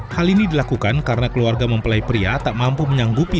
hal ini dilakukan karena keluarga mempelai pria tak mampu menyanggupi